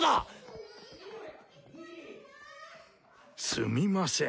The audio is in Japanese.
すみません。